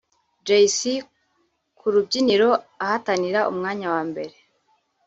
Jay C ku rubyiniro ahatanira umwanya wa mbere